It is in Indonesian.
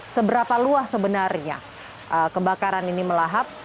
seberapa luas sebenarnya kebakaran ini melahap